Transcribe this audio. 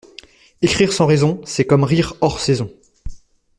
Écrire sans raison, c’est comme rire hors saison.